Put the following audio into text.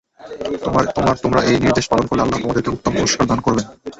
তোমরা এ নির্দেশ পালন করলে আল্লাহ তোমাদেরকে উত্তম পুরস্কার দান করবেন।